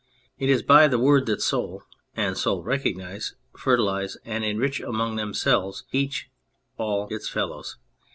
It is by the Word that soul and soul recognise, fertilise and enrich among them selves, each all its fellows.